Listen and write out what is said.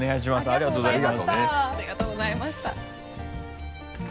ありがとうございます。